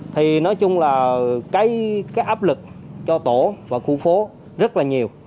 thì nói chung là cái áp lực cho tổ và khu phố rất là nhiều